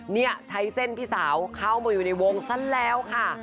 นี่ใช้เส้นพี่สาวเข้ามาอยู่ในวงซะแล้วค่ะ